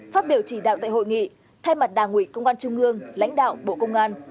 phát biểu chỉ đạo tại hội nghị thay mặt đảng ủy công an trung ương lãnh đạo bộ công an